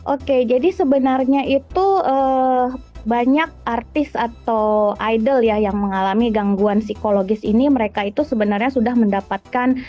oke jadi sebenarnya itu banyak artis atau idol ya yang mengalami gangguan psikologis ini mereka itu sebenarnya sudah mendapatkan